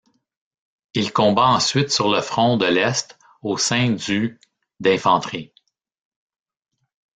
Il combat ensuite sur le front de l’Est, au sein du d’infanterie.